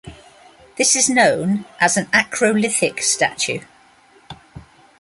This is known as an acrolithic statue.